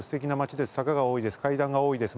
坂がおおいです。